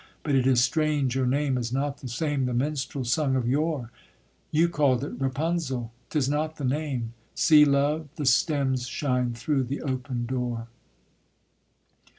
But it is strange your name Is not the same the minstrel sung of yore; You call'd it Rapunzel, 'tis not the name. See, love, the stems shine through the open door.